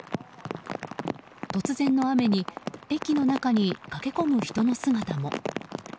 突然の雨に駅の中に駆け込む人の姿も。